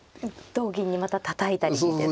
同銀にまたたたいたりですか。